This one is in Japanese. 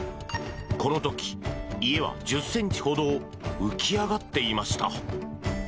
この時、家は１０ｃｍほど浮き上がっていました。